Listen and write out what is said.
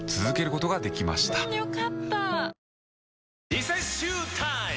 リセッシュータイム！